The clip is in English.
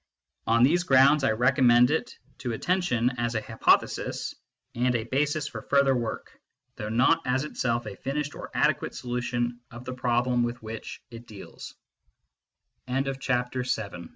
On these grounds, I recom mend it to attention as a hypothesis and a basis for further work, though not as itself a finished or adequate solution of the problem with which it